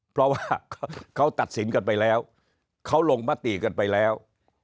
เพราะว่าเขาตัดสินกันไปแล้วเขาลงมติกันไปแล้ว